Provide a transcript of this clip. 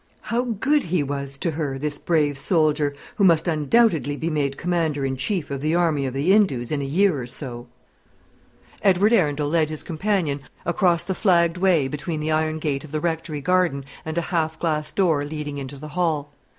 How good he was to her, this brave soldier, who must undoubtedly be made Commander in Chief of the Army of the Indus in a year or so! Edward Arundel led his companion across the flagged way between the iron gate of the Rectory garden and a half glass door leading into the hall.